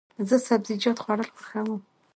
زه سبزیجات خوړل خوښوم.